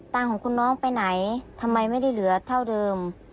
งของคุณน้องไปไหนทำไมไม่ได้เหลือเท่าเดิม